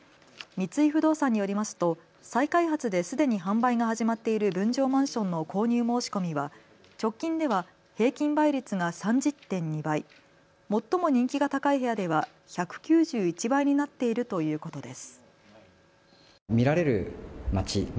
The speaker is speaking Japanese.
三井不動産によりますと再開発ですでに販売が始まっている分譲マンションの購入申し込みは直近では平均倍率が３０．２倍、最も人気が高い部屋では１９１倍になっているということです。